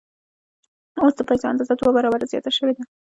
اوس د پیسو اندازه دوه برابره زیاته شوې ده